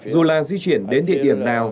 dù là di chuyển đến địa điểm nào